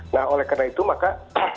nah oleh karena itu maka